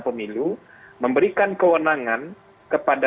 pemilu yang terkasih adalah penggunaan kekuatan